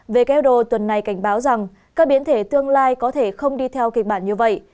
who tuần này cảnh báo rằng các biến thể tương lai có thể không đi theo kịch bản như vậy